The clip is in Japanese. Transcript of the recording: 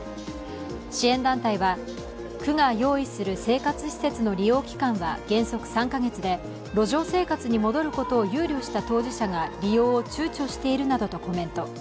支援団体は、区が用意する生活施設の利用期間は原則３か月で、路上生活に戻ることを憂慮した当事者が利用を躊躇しているなどとコメント。